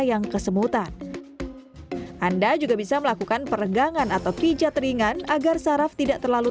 yang kesemutan anda juga bisa melakukan peregangan atau pijat ringan agar saraf tidak terlalu